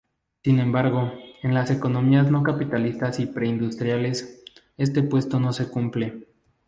Sin embargo, en las economías no capitalistas y preindustriales, este supuesto no se cumple.